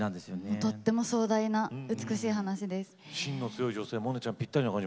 とても壮大な美しい話です。